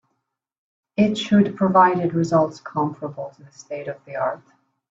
It should provided results comparable to the state of the art.